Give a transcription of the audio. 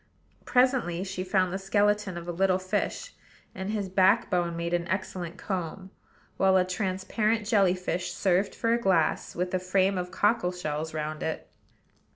Presently she found the skeleton of a little fish, and his backbone made an excellent comb; while a transparent jelly fish served for a glass, with a frame of cockle shells round it.